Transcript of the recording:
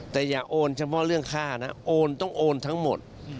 แต่อย่าโอนเฉพาะเรื่องค่านะโอนต้องโอนทั้งหมด